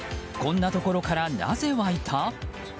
こんなところからなぜ湧いた？